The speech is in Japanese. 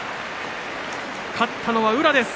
勝ったのは宇良です。